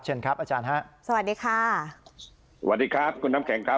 เชิญครับอาจารย์ฮะสวัสดีค่ะสวัสดีครับคุณน้ำแข็งครับ